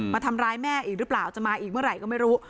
มาทำร้ายแม่อีกหรือเปล่าจะมาอีกเมื่อไหร่ก็ไม่รู้